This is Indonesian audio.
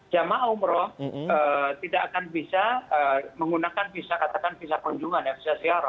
jemaah umroh tidak akan bisa menggunakan visa katakan visa kunjungan visa se rampa